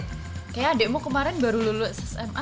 kayak adikmu kemarin baru lulus sma